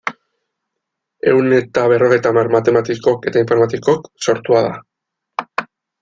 Ehun eta berrogeita hamar matematikok eta informatikok sortua da.